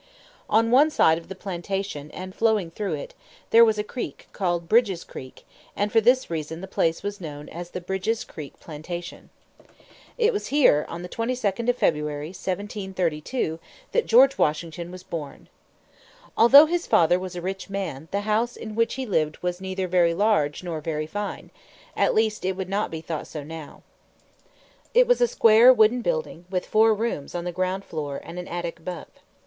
On one side of the plantation, and flowing through it, there was a creek, called Bridge's Creek; and for this reason the place was known as the Bridge's Creek Plantation. It was here, on the 22d of February, 1732, that George Washington was born. Although his father was a rich man, the house in which he lived was neither very large nor very fine at least it would not be thought so now. It was a square, wooden building, with four rooms on the ground floor and an attic above.